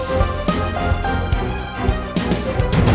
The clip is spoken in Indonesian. berkat bantuan anak buah lo